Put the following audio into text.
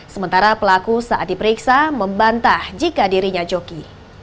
sementara pelaku saat diperiksa membantah jika dirinya joki